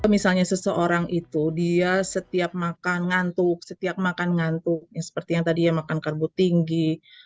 misalnya seseorang itu dia setiap makan ngantuk setiap makan ngantuk seperti yang tadi ya makan karbo tinggi